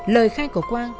lời khai của quang